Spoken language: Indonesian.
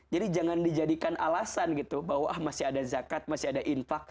jadi jangan dijadikan alasan gitu bahwa masih ada zakat masih ada infaq